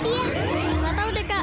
suara orang terakut